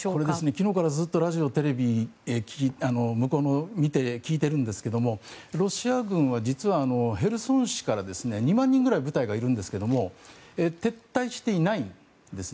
昨日からずっとラジオ、テレビで見て聞いてるんですけどロシア軍はヘルソン市から２万人くらい部隊がいるんですが撤退していないんです。